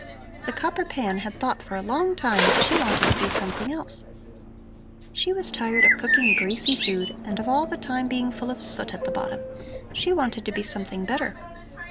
The copper pan had thought for a long time that she wanted to be something else. She was tired of cooking greasy food and of all the time being full of soot at the bottom; she wanted to be something better.